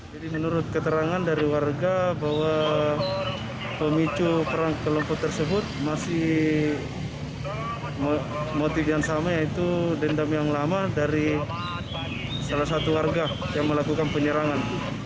jadi menurut keterangan dari warga bahwa pemicu perang kelompok tersebut masih motif yang sama yaitu dendam yang lama dari salah satu warga yang melakukan penyerangan